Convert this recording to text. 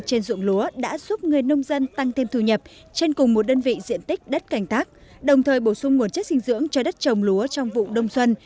trên ruộng lúa đã giúp người nông dân tăng thêm thu nhập trên cùng một đơn vị diện tích đất cành thác đồng thời bổ sung nguồn chất sinh dưỡng cho đất trồng lúa trong vụ đông xuân